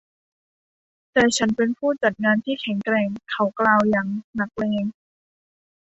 แต่ฉันเป็นผู้จัดงานที่แข็งแกร่ง เขากล่าวอย่างนักเลง